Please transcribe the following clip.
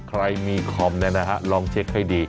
ใครมีคอมเนี่ยนะฮะลองเช็คให้ดี